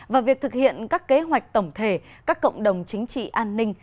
và việc thực hiện các kế hoạch tổng thể các cộng đồng chính trị an ninh